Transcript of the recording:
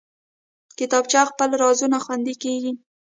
کتابچه کې خپل رازونه خوندي کېږي